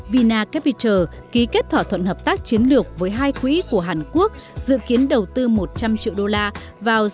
vinacapital ký kết thỏa thuận hợp tác chiến lược với hai quỹ của hàn quốc dự kiến đầu tư một trăm linh triệu đô la vào start up việt trong ba năm tới